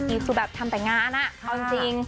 เจอกี่ทีสู่แบบทำแต่งานเขาจริง